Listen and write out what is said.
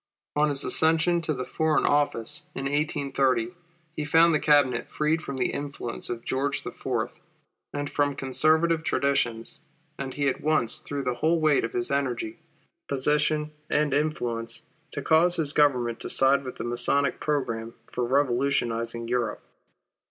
On his accession to the Foreign Office in 1830, he found the Cabinet freed from the influence of George IV., and from Conservative traditions ; and he at once threw the whole weight of his energy, position, and influence to cause his government to side with the Masonic programme for revolutionizing Europe.